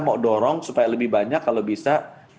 mau dorong supaya lebih banyak kalau bisa